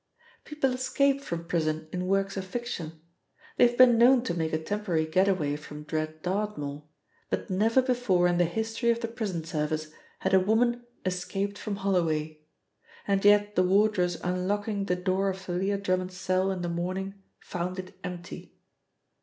People escape from prison in works of fiction; they have been known to make a temporary get away from dread Dartmoor, but never before in the history of the prison service had a woman escaped from Holloway. And yet the wardress unlocking the door of Thalia Drummond's cell in the morning found it empty.